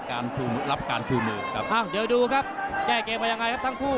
ใครได้รับการชื่อมือกครับอ้าวเดี๋ยวดูครับแก้เกมไหลยังไงครับทั้งผู้